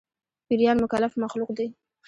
پيريان مکلف مخلوق دي